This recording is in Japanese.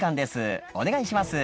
お願いします。